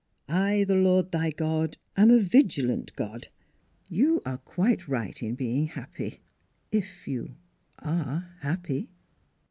' I, the Lord thy God, am a vigilant God.' ... You are quite right in being happy if you are happy."